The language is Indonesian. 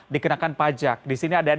dikenakan pajak di sini ada